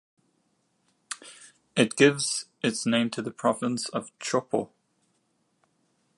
It gives its name to the province of Tshopo.